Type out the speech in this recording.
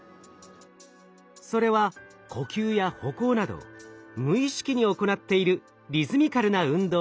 それは呼吸や歩行など無意識に行っているリズミカルな運動のメカニズム。